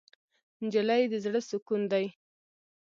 نجلۍ د زړه سکون دی.